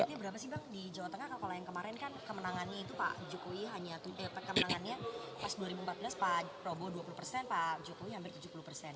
targetnya berapa sih bang di jawa tengah kalau yang kemarin kan kemenangannya itu pak jokowi hanya kemenangannya pas dua ribu empat belas pak prabowo dua puluh persen pak jokowi hampir tujuh puluh persen